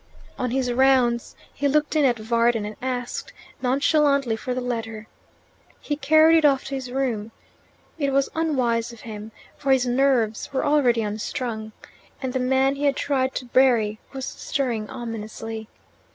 On his rounds he looked in at Varden and asked nonchalantly for the letter. He carried it off to his room. It was unwise of him, for his nerves were already unstrung, and the man he had tried to bury was stirring ominously.